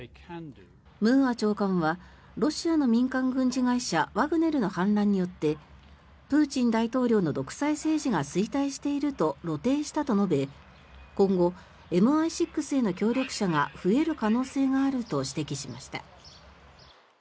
ムーア長官はロシアの民間軍事会社ワグネルの反乱によってプーチン大統領の独裁政治が衰退していると露呈したと述べ今後、ＭＩ６への協力者が増える可能性があると指摘しました。